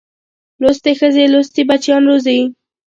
لوستې ښځې لوستي بچیان روزي